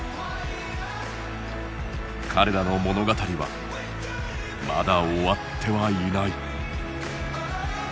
彼らの物語はまだ終わってはいない。